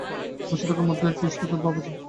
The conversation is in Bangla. বসে থাকার মধ্যেও একটা স্পর্ধার ভাব আছে।